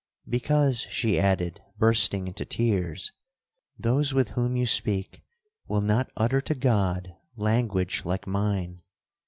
'—'Because,' she added, bursting into tears, 'those with whom you speak will not utter to God language like mine.